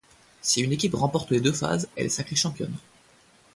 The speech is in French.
Si une équipe remporte les deux phases, elle est sacrée championne.